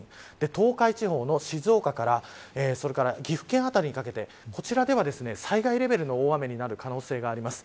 東海地方の静岡から岐阜県辺りにかけてこちらでは、災害レベルの大雨になる可能性があります。